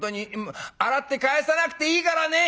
洗って返さなくていいからね」。